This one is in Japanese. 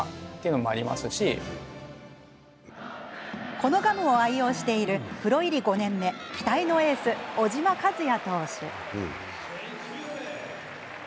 このガムを愛用しているプロ入り５年目、期待のエース小島和哉投手。